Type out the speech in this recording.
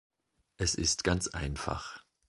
Es ist ganz einfach.